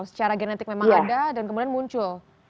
secara genetik memang ada dan kemudian muncul